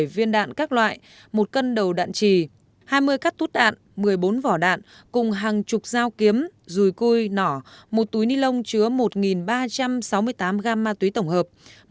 một sáu mươi bảy viên đạn các loại một cân đầu đạn trì hai mươi cắt tút đạn một mươi bốn vỏ đạn cùng hàng chục dao kiếm rùi cui nỏ một túi nilon chứa một ba trăm sáu mươi tám gram ma túy tổng hợp